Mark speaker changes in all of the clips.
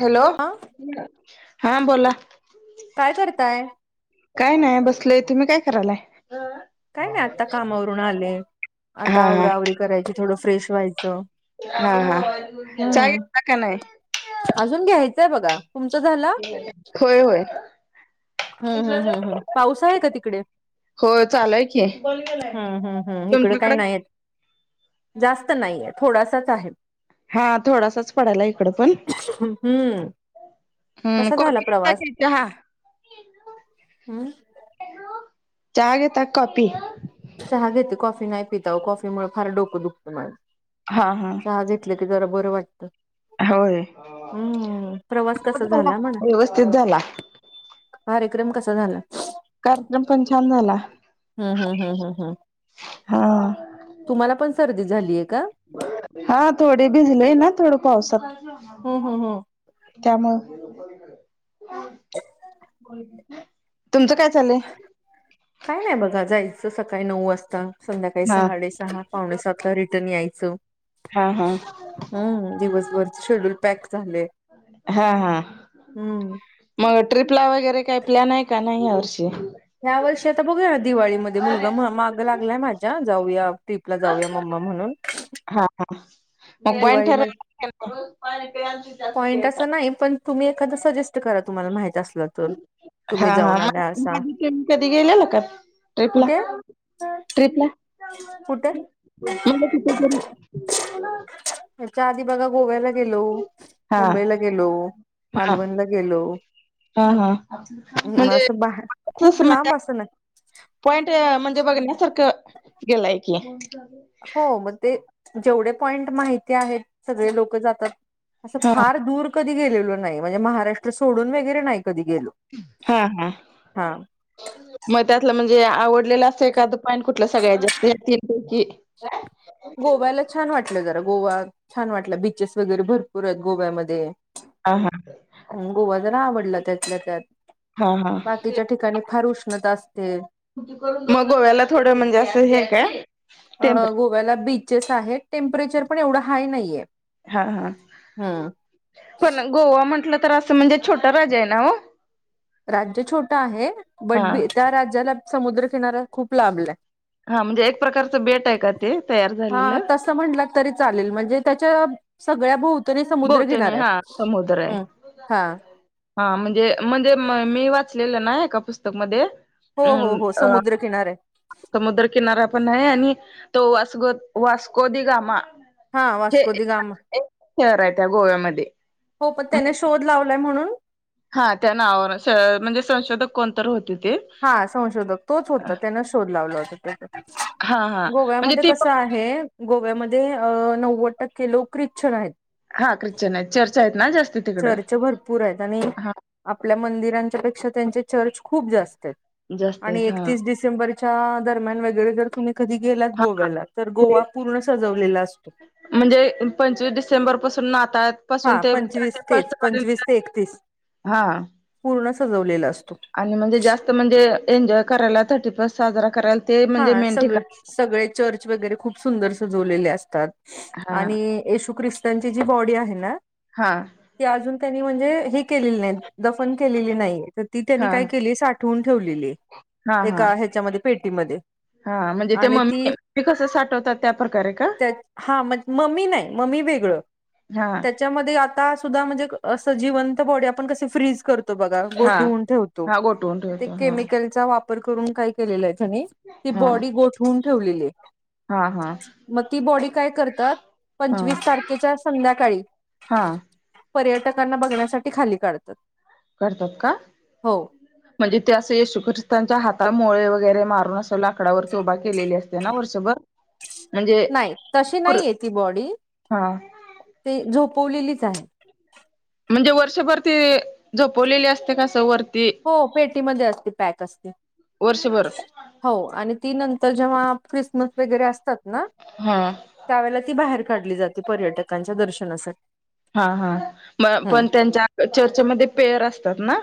Speaker 1: Hello
Speaker 2: हां
Speaker 1: हा बोला
Speaker 2: काय करताय
Speaker 1: काय नाही बसल इथे मी काय करायलाय
Speaker 2: काय नाही आत्ता कामावरून आले
Speaker 1: हा
Speaker 2: आता
Speaker 1: हा
Speaker 2: आवरा आवरी करायची थोडं फ्रेश व्हायचं
Speaker 1: हा
Speaker 2: हम्म
Speaker 1: हा का नाही
Speaker 2: अजून घ्यायचंय बघा तुमचं झालं
Speaker 1: होय होय
Speaker 2: हम् हम् हम् हम पाऊस आहे का तिकडे
Speaker 1: होय चालूय की
Speaker 2: हम्म हम्म हम्म इकडं काही
Speaker 1: तुमच्याकडे
Speaker 2: नाहीेत जास्त नाहीये थोडासाच आहे
Speaker 1: हा थोडासाच पडायला इकड पण
Speaker 2: हम्म
Speaker 1: ह्
Speaker 2: कसा
Speaker 1: कॉ
Speaker 2: झाला प्रवास
Speaker 1: का
Speaker 2: हम
Speaker 1: चहा घेता कॉपी,
Speaker 2: चहा घेते कॉफी नाही पित कॉफी मुळ फार डोकं दुखतं माझं
Speaker 1: हा, हा
Speaker 2: चहा घेतलं की जरा बरं वाटतं,
Speaker 1: होय
Speaker 2: हम्म, प्रवास कसा झाला म्हणं,
Speaker 1: व्यवस्थित झाला
Speaker 2: कार्यक्रम कसा झाला?
Speaker 1: कार्यक्रम पण छान झाला.
Speaker 2: हम्म, हम्म, हम्म, हम् हम्
Speaker 1: हा
Speaker 2: तुम्हाला पण सर्दी झालीय का?
Speaker 1: हा थोडे भिजलेय ना थोड पावसात.
Speaker 2: हो, हो, हो
Speaker 1: त्यामुळे तुमचं काय चालय?
Speaker 2: काय नाही बघा जायचं सकाळी नऊ वाजता. संध्याकाळी
Speaker 1: हा
Speaker 2: साडेसहा पावणे सातला रिटर्न यायचं.
Speaker 1: हा हा
Speaker 2: हम्म, दिवसभर शेड्यूल पॅक झाले.
Speaker 1: हा, हा
Speaker 2: हम्म.
Speaker 1: मग ट्रिपला वगैरे काही प्लॅन आहे का नाही या वर्षी?
Speaker 2: या वर्षी आता बघूयात दिवाळीमध्ये मुलगा माग लागलाय माझ्या जाऊया ट्रीपला जाऊया मम्मा म्हणून
Speaker 1: हा, हा, मग प्लॅन ठरल
Speaker 2: दिवाळीमध्ये पॉईंट असं नाही पण, तुम्ही एखाद्य सजेस्ट करा तुमला माहित असल तर तुम्ही
Speaker 1: हा हा
Speaker 2: जाऊन
Speaker 1: मग
Speaker 2: आला असा,
Speaker 1: तुम्ही कधी गेलेला का ट्रिपला
Speaker 2: कुठे?
Speaker 1: ट्रिपला
Speaker 2: कुठं?
Speaker 1: [unintelligible]
Speaker 2: त्याच्या आधी बघा गोव्याला गेलो,
Speaker 1: हा
Speaker 2: मुंबईला गेलो,
Speaker 1: हा
Speaker 2: मालवणला गेलो
Speaker 1: हा हा
Speaker 2: ह्,
Speaker 1: म्हणजे
Speaker 2: असं बा खूप लांब असं नाही.
Speaker 1: पॉईंट म्हणजे बघण्यासारखं गेलाय की,
Speaker 2: हो मग ते जेवढे पॉईंट माहिती आहेत सगळे लोक जातात असं
Speaker 1: हा
Speaker 2: फार दूर कधी गेलेलो नाही म्हणजे महाराष्ट्र सोडून वगैरे नाही कधी गेलो.
Speaker 1: हा हा
Speaker 2: हा.
Speaker 1: मग त्यातलं म्हणजे आवडलेलं असं एखादं कुठलं सगळ्यात जास्त [unintelligible]
Speaker 2: गोव्याला छान वाटलं जरा गोवा छान वाटलं बीचेस वगैरे भरपूर आहेत गोव्यामध्ये
Speaker 1: हां हां
Speaker 2: गोवा जरा आवडला त्यातल्या त्यात
Speaker 1: हा हा
Speaker 2: बाकीच्या ठिकाणी फार उष्णता असते
Speaker 1: मग गोव्याला थोडं म्हणजे असं हे काय टेम्परे
Speaker 2: व्याला बीचेस आहेत टेम्परेचर पण एवढं हाय नाहीय,
Speaker 1: हा हा पण गोवा म्हटलं तर असं म्हणजे छोटं राजा आहे ना हो?
Speaker 2: राज्य छोटं आहे बट
Speaker 1: हा
Speaker 2: बी त्या राज्याला समुद्रकिनऱ्या खूप लाभलाय,
Speaker 1: हा म्हणजे एक प्रकारचं बेट आहे का ते तयार
Speaker 2: हा
Speaker 1: झालेलं
Speaker 2: तसं म्हटलं तरी चालेल म्हणजे त्याच्या सगळ्या भोवतीनं तरी समुद्र
Speaker 1: भोवतणी
Speaker 2: किनारा
Speaker 1: हा
Speaker 2: आहे
Speaker 1: समुद्र आहे
Speaker 2: ह हा,
Speaker 1: हा म्हणजे म्हणजे मी वाचलेलं ना एका पुस्तकमध्ये
Speaker 2: हो हो हो
Speaker 1: अ
Speaker 2: समुद्रकिनार आहे,
Speaker 1: समुद्रकिनारा पण आहे आणि तो वासगो वास्कोदी गामा,
Speaker 2: हा
Speaker 1: हे
Speaker 2: वास्को दी गामा
Speaker 1: शहर आहे त्या गोव्यामध्ये
Speaker 2: हो पण त्याने शोध लावलाय म्हणून,
Speaker 1: हा त्या नावावर म्हणजे संशोधक कोणतर होते ते
Speaker 2: हा संशोधक तोच होता त्यान शोध लावलं होत त्याच्या
Speaker 1: हा हा म्हणजे
Speaker 2: गोव्यामध्ये
Speaker 1: ती
Speaker 2: कसं
Speaker 1: पण
Speaker 2: आहे. हे गोव्यामध्ये नव्वद टक्के लोक्रिच्छण आहेत.
Speaker 1: हा ख्रिश्चन आहेत चर्चा आहेत ना जास्त तिकडं
Speaker 2: चर्च भरपूर आहेत आणि
Speaker 1: हा
Speaker 2: आपल्या मंदिरांच्या पेक्षा त्यांचे चर्च खूप जास्त आहेत.
Speaker 1: जास्त
Speaker 2: आणि
Speaker 1: आहेत हा
Speaker 2: एकतीस डिसेंबरच्या दरम्यान वगैरे जर तुम्ही? कधी गेलात
Speaker 1: हा
Speaker 2: गोव्याला तर गोवा पूर्ण सजवलेला असतो.
Speaker 1: म्हणजे पंचवीस डिसेंबर पासून नातात.
Speaker 2: हा पंचवीस तेच पंचवीस ते एकतीस
Speaker 1: हा
Speaker 2: पूर्ण सजवलेला असतो.
Speaker 1: आणि म्हणजे जास्त म्हणजे एन्जॉय करायला थर्टी फर्स्ट साजरा करायला ते
Speaker 2: हा
Speaker 1: म्हणजे मेन
Speaker 2: सगळे
Speaker 1: ठिकाण
Speaker 2: सगळे चर्च वगैरे खूप सुंदर स जवलेले असतात.
Speaker 1: हा
Speaker 2: आणि येशू क्रिस्तनची जी बॉडी आहे ना.
Speaker 1: हा
Speaker 2: की अजून त्यांनी म्हणजे हे केलेली नाहीत. दफन केलेली नाही तर ती त्यांनी
Speaker 1: हा
Speaker 2: काय केली साठवून ठेवलेली.
Speaker 1: हा हा
Speaker 2: एका ह्याच्यामध्ये पेटीमध्ये
Speaker 1: हा म्हणजे ते
Speaker 2: आणि
Speaker 1: मम्मी
Speaker 2: ती
Speaker 1: मी कसं साठवतात त्या प्रकारे का?
Speaker 2: हा म मम्मी नाही म्मी वेगळं.
Speaker 1: हा.
Speaker 2: त्याच्यामध्ये आता सुद्धा म्हणजे अस जिवंत बॉडी आपण क फ्रीज करतो. ग
Speaker 1: हा
Speaker 2: ठेवम
Speaker 1: हा गोठवून ठेवतो हा
Speaker 2: वापरून काय केले आहे त्या ती
Speaker 1: हा
Speaker 2: बॉडी गोठवून ठेवलेली.
Speaker 1: हा हा.
Speaker 2: मग ती बॉडी काय करतात पंचवीस तारखेच्या संध्याकाळी
Speaker 1: हां.
Speaker 2: पर्यटकांना बघण्यासाठी खाली काढतात.
Speaker 1: करतात का?
Speaker 2: हो
Speaker 1: म्हणजे ते असं येशू ख्रिस्तांच्या हाताला मोळे वगैरे मारून असं लाकडावरती उभा केलेली असते ना वर्षभर म्हणजे
Speaker 2: नाही तशी नाही आहे ती बॉडी
Speaker 1: हा
Speaker 2: ते झोपवलेलीच आहे.
Speaker 1: म्हणजे वर्षभर ते झपवलेली असते कसं वर
Speaker 2: हो पेटीमध्ये असते पॅक असते.
Speaker 1: वर्षभर
Speaker 2: हो आणि ती नंतर जेव्हा क्रिसमस वगैरे असतात ना.
Speaker 1: हा.
Speaker 2: त्यावेळेला ती बाहेर काढली जाते पर्यटकांच्या दर्शनासाठी
Speaker 1: हा हां म पण त्यांच्या चर्चेमध्ये पेयर असतात ना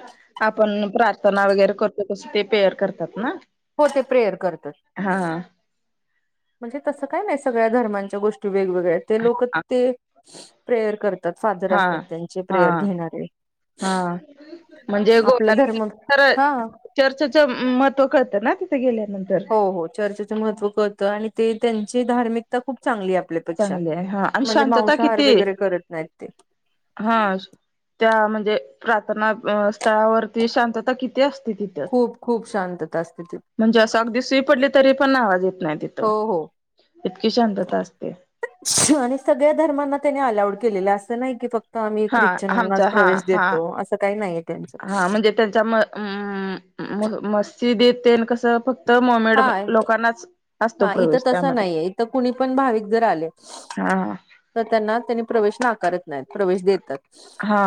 Speaker 1: आपण प्रार्थना वगैरे करतो कसं ते पेअर करतात ना.
Speaker 2: हो ते प्रेअर करत
Speaker 1: हा
Speaker 2: म्हणजे तसं काय नाही सगळ्या धर्मांच्या गोष्टी वेगवेगळ्या ते लोक
Speaker 1: हा
Speaker 2: ते प्रेयर करते. ात फादर
Speaker 1: हा
Speaker 2: असतात त्यांचे
Speaker 1: हा
Speaker 2: प्रेयर घेणारे.
Speaker 1: हा म्हणजे ग.
Speaker 2: आपला धर्म हा
Speaker 1: चर्चेचं महत्व कळतं ना तिथे गेल्यानंतर
Speaker 2: हो हो चर्चेचं महत्त्व कळतं आणि ते त्यांची धार्मिकता खूप चांगली आपल्या े
Speaker 1: चांगली आहे हा आणि
Speaker 2: म्हणजे
Speaker 1: शांतता
Speaker 2: मांसाहार
Speaker 1: किती
Speaker 2: वगैरे करत नाहीत ते
Speaker 1: हा त्या म्हणजे प्रार्थना स्थळावर ते शांतता किती असते तिथ.
Speaker 2: खूप खूप शांतता असते ती
Speaker 1: म्हणजे असं अगदी सुई पडली तरी पण आवाज येत नाही तिथं
Speaker 2: हो हो
Speaker 1: इतकी शांतता असते.
Speaker 2: आणि सगळ्या धर्मांना त्यानी अलाउड केलेलं असं नाही की फक्त तर आम्ही
Speaker 1: हा
Speaker 2: ख्रिश्चनांनाच
Speaker 1: आमचा हा
Speaker 2: प्रवेश
Speaker 1: हा
Speaker 2: देतो असं काही नाहीये त्यांचं.
Speaker 1: हा म्हणजे त्यांच्या मस्जिद येते कस फक्. तर मोमेड
Speaker 2: हा
Speaker 1: लोकांनाच असतो
Speaker 2: हा इथं
Speaker 1: प्रवेश
Speaker 2: तसं
Speaker 1: त्यामध्ये
Speaker 2: नाहीये इथं कुणी पण भाविक जर आले
Speaker 1: हा.
Speaker 2: तर त्यांना त्यांनी प्रवेश नाकारत नाहीत. प्रवेश देतात
Speaker 1: हा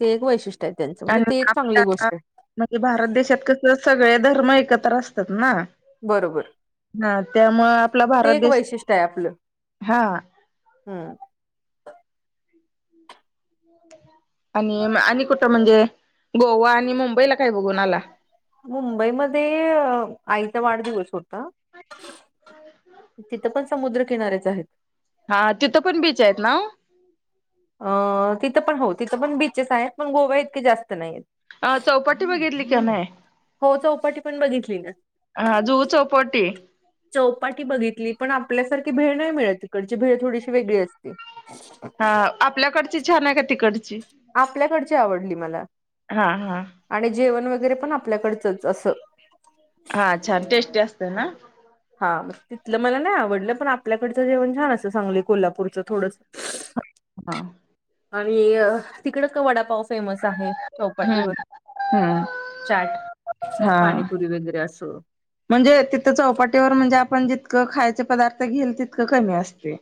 Speaker 2: ते एक वैशिष्ट्य आहे त्यांचं म्हणजे
Speaker 1: आणि
Speaker 2: ते एक चांगली
Speaker 1: आपल्या
Speaker 2: गोष्ट आहे.
Speaker 1: म्हणजे भारत देशात कसं सगळे धर्म एकत्र असतात ना.
Speaker 2: बरोबर
Speaker 1: हा त्यामुळे आपला
Speaker 2: ते
Speaker 1: भारत
Speaker 2: एक
Speaker 1: देश
Speaker 2: वैशिष्ट्य
Speaker 1: हा.
Speaker 2: हम्.
Speaker 1: ह [inaudible] आणि आणि कुठं म्हणजे गोवा आणि मुंबईला काय बघून आला.
Speaker 2: मुंबईमध्ये आईचा वाढदिवस होता. तिथं पण समुद्रकिनाऱ्याच आहेत.
Speaker 1: हा तिथं पण बीच आहेत ना वो.
Speaker 2: अ तिथं पण हो तिथं पण बीचेस आहेत पण गोवा इतके जास्त नाहीत.
Speaker 1: अ चौपाटी बघितली का नाही.
Speaker 2: हो चौपाटी पण बघितली ना.
Speaker 1: जुहू चौपटी.
Speaker 2: चौपाटी बघितली पण आपल्यासारखी भेळ नाही मिळत तिकडची भेळ थोडीशी वेगळी असते.
Speaker 1: हा आपल्याकडची छान आहे का तिकडची.
Speaker 2: आपल्याकडची आवडली मला.
Speaker 1: हा हा
Speaker 2: आणि जेवण वगैरे पण आपल्याकडचंच असं.
Speaker 1: हा छान टेस्टी असते ना.
Speaker 2: हा तिथलं मला नाही आवडलं पण आपल्याकडचं जेवण छान असं सांगली कोल्हापूरचं थोडंस.
Speaker 1: हा.
Speaker 2: आणि अ तिकडं का वडापाव फेमस आहे.
Speaker 1: हम्म
Speaker 2: चौपाटीवर
Speaker 1: हम्म
Speaker 2: चाट
Speaker 1: हा
Speaker 2: पाणीपुरी वगैरे अस.
Speaker 1: म्हणजे तिथं चौपाटीवर म्हणजे आपण जितकं खायचे पदार्थ घेईल तितकं कमी असते.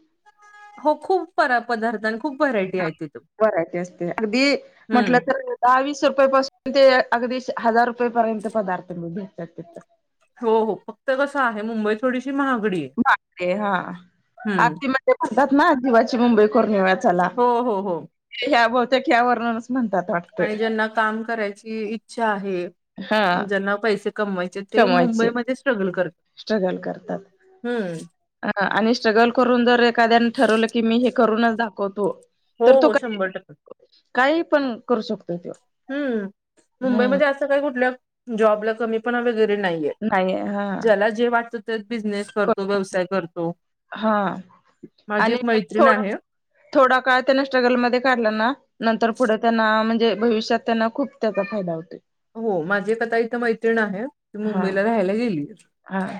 Speaker 2: हो खूप परा पदार्थ आणि. खूप व्हरायटी आहे
Speaker 1: माप
Speaker 2: तिथं
Speaker 1: भरायचे असते अगदी म्हटलं
Speaker 2: हम्म
Speaker 1: तर. दहा वीस रुपये पासून ते अगदी हा हजार रुपयेपर्यंत पदार्थ भेटत्यात.
Speaker 2: हो हो फक्त कसं आहे मुंबई थोडीशी महागडी. आहे
Speaker 1: महागडी हा
Speaker 2: हम्म
Speaker 1: आगती म्हणजे म्हणतात ना जीवाची मुंबई कररून्यात. चला
Speaker 2: हो हो हो
Speaker 1: ह्या बहतेक ह्या वर्णन म्हणतात वाटत.
Speaker 2: आणि ज्यांना काम करायची इच्छा आहे
Speaker 1: हां
Speaker 2: ज्यांना पैसे कमवायचे हाईत. ते
Speaker 1: कमवायचे.
Speaker 2: मुंबईमध्ये स्ट्रगल करता हम्म.
Speaker 1: अ आणि स्ट्रगल करून जर एखाद्याने ठरवलं की मी हे करूनच दाखवतो.
Speaker 2: हो
Speaker 1: तर तो
Speaker 2: हो
Speaker 1: काही
Speaker 2: शंभर टक्के.
Speaker 1: काही पण करू शकतो तो.
Speaker 2: हम्म
Speaker 1: हं.
Speaker 2: मुंबईमध्ये असं काय कुठलं जॉबला कमी पणा वगैरे नाही. य
Speaker 1: नाही हां.
Speaker 2: ज्याला जे वाटतं ते बिझनेस. करतो
Speaker 1: करू
Speaker 2: व्यवसाय करतो
Speaker 1: हां
Speaker 2: माझी
Speaker 1: आणि
Speaker 2: एक मैत्रिण
Speaker 1: थोडं
Speaker 2: आहे.
Speaker 1: थोडा काळ तर स्ट्रगल मध्ये काढला ना. नंतर पुढे त्यांना म्हणजे भविष्यात त्यांना खूप त्याचा फायदा होतय.
Speaker 2: हो माझी कथा इथं मैत्रिण आहे ती
Speaker 1: हां.
Speaker 2: मुंबईला राहायला गेली.
Speaker 1: हां.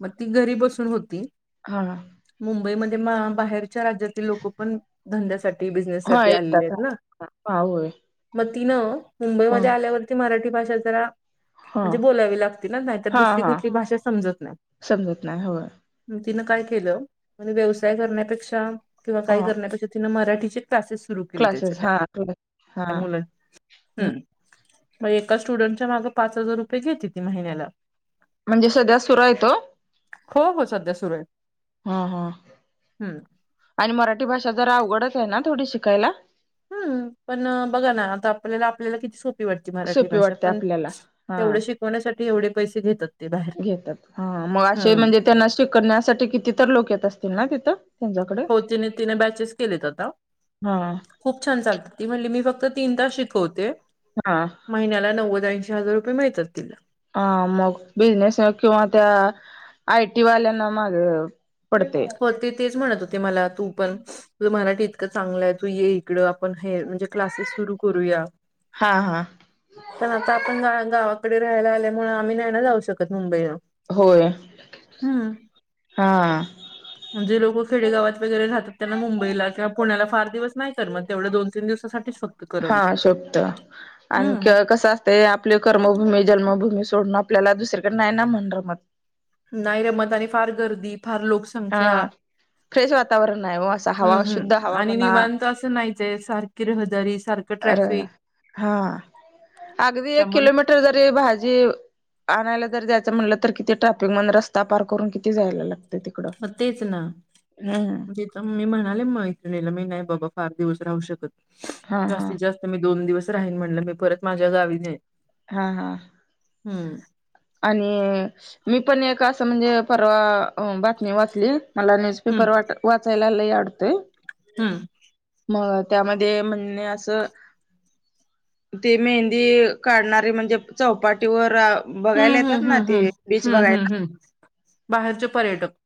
Speaker 2: मग ती घरी बसून होती.
Speaker 1: हा हा.
Speaker 2: मुंबईमध्ये बाहेरच्या राज्यात. लोक पण धंद्यासाठी बिजनेस
Speaker 1: हां,
Speaker 2: साठी आलेले
Speaker 1: येतात.
Speaker 2: आहेत ना.
Speaker 1: हां, हां, होय.
Speaker 2: म तिनं मुंबईमध्ये
Speaker 1: हां,
Speaker 2: आल्यावरती मराठी भाषा जरा. म्हणजे
Speaker 1: हां,
Speaker 2: बोलावी लागतील ना नाहीतर
Speaker 1: हां,
Speaker 2: दुसरी
Speaker 1: हां.
Speaker 2: कुठली भाषा समजत नाही.
Speaker 1: समजत नाही. होय.
Speaker 2: तिनं काय केलं म्हणजे व्यवसाय करण्यापेक्षा किंवा काय
Speaker 1: हां,
Speaker 2: करण्यापेक्षा. तिन मराठीचे क्लासेस सुरू केले त्याच्या
Speaker 1: क्लासेस हां, क्लास
Speaker 2: त्या
Speaker 1: हां,
Speaker 2: मुला्च
Speaker 1: हं.
Speaker 2: हम. मग एका स्टुडंटच्या मागे पाच हजार रुपये घेते ती महिन्याला.
Speaker 1: म्हणजे सध्या सुरू आहे तो.
Speaker 2: हो हो सध्या सुरू आहे.
Speaker 1: हा हा
Speaker 2: हम्म.
Speaker 1: आणि मराठी भाषा जरा अवघडत आहे ना थोडी शिकायला.
Speaker 2: हम् पण बघा ना आता आपल्याला आपल्याला किती सोप. ती मराठी
Speaker 1: सोपी
Speaker 2: भाषा
Speaker 1: वाटते
Speaker 2: पण
Speaker 1: आपल्याला. हां,
Speaker 2: तेवढे शिकवण्यासाठी एवढे पैसे घेतात ते बाहेर.
Speaker 1: हा मग असे,
Speaker 2: हम्म.
Speaker 1: म्हणजे त्यांना शिकवण्यासाठी किती तर लोक येत असतील ना तिथं? त्यांच्याकडे?
Speaker 2: हो तिने तिने बॅचेस केलेत आता.
Speaker 1: हां,
Speaker 2: खूप छान चालत ती म्हणली मी फक्त तीन तास शिकवते.
Speaker 1: हा
Speaker 2: महिन्याला नव्वद्याऐंशी हजार रुपय मिळतात तिला.
Speaker 1: ह मग बिझनेस किंवा त्या आय टी वाल्या ना मग पडतय.
Speaker 2: हो ते तेच म्हणत होते मला तू पण तुझं मराठी इतकं चांगलं आहे तू ये. आपण हे म्हणजे क्लासेस सुरू करूया.
Speaker 1: हां, हां.
Speaker 2: पण आता आपण गा गावाकडे राहायला आल्यामुळा आम्ही नाही ना जाऊ शकत मुंबईला.
Speaker 1: होय
Speaker 2: हम्म
Speaker 1: हा.
Speaker 2: जे लोक खेडेगावात वगैरे राहतात त्यांना मुंबईला किंवा पुण्याला फार दिवस नाही कर मग तेवढ्या दोन, तीन दिवसासाठीच फक्त
Speaker 1: हा
Speaker 2: करत हम्म
Speaker 1: ते आपली कर्मभूमी, जन्मभूमी सोडून आपल्याला दुसरीकडे नाही ना मन रमत.
Speaker 2: नाही रमत आणि फार गर्दी, फार
Speaker 1: हा
Speaker 2: लोकसंख्या
Speaker 1: फ्रेश वातावरण आहे हो असं
Speaker 2: हम्म
Speaker 1: हवा शुद्ध
Speaker 2: हम्म
Speaker 1: हवा
Speaker 2: आणि
Speaker 1: म्हणा
Speaker 2: निवांत असं नाहीच सारख सारखी रहदारी सारखं
Speaker 1: अ
Speaker 2: ट्रॅफिक.
Speaker 1: हा अगदी एक
Speaker 2: त्यामुळे
Speaker 1: किलोमीटर जरी भाजी आणायला जर जायचं म्हटलं तर किती ट्रॅफिक मण रस्ता पार करून किती जायला लागतं तिकडं.
Speaker 2: म तेच ना
Speaker 1: हम् ह
Speaker 2: तिथं मी म्हणाले मग मैत्रिणीला मी नाही बाबा फार दिवस राहू शकत
Speaker 1: हा हा
Speaker 2: जास्तीत जास्त तर मी दोन दिवस राहीन म्हटलं मी परत माझ्या गावीच येईन.
Speaker 1: हा हा
Speaker 2: हम्म
Speaker 1: आणि मी पण एक असं म्हणजे परवा बातमी वाचली. मला
Speaker 2: हम्म
Speaker 1: न्यूजपेपर वाट वाचायला लय आवडतय.
Speaker 2: हम
Speaker 1: मग त्यामध्ये म्हणणे असं ते मेहंदी काढणारे म्हणजे चौपाटीवर बघायला
Speaker 2: हम्म
Speaker 1: येतात ना
Speaker 2: हम्म हम्म हम्म
Speaker 1: ते बीच
Speaker 2: हम्म हम्म
Speaker 1: बघायला
Speaker 2: हम्म बाहेरचे पर्यटक